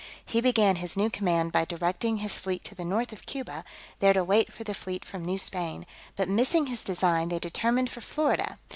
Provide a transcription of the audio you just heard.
He began his new command by directing his fleet to the north of Cuba, there to wait for the fleet from New Spain; but missing his design, they determined for Florida.